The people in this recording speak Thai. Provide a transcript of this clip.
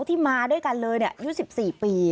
ที่มาด้วยกันเลย๒๔ปี